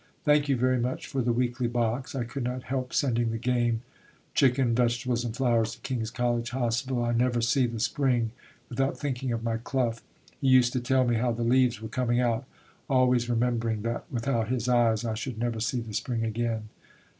Thank you very much for the weekly box. I could not help sending the game, chicken, vegetables and flowers to King's College Hospital. I never see the spring without thinking of my Clough. He used to tell me how the leaves were coming out always remembering that, without his eyes, I should never see the spring again.